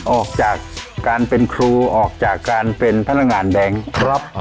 ออกจากการเป็นครูออกจากการเป็นพนักงานแบงค์ครับ